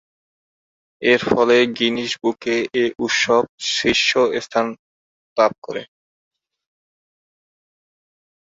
এরফলে গিনেস বুকে এ উৎসব শীর্ষস্থান লাভ করে।